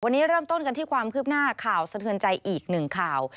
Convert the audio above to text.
วันนี้เริ่มต้นกันที่ความคืบหน้าข่าวสะเทือนใจอีกหนึ่งข่าว